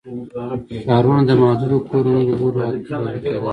ښارونه د محدودو کورنیو له لوري اداره کېدل.